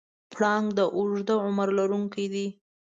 پړانګ د اوږده عمر لرونکی دی.